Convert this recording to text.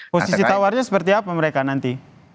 posisi tawarnya seperti apa mereka nanti